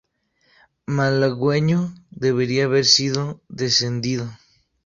Malagueño" debería haber sido descendido.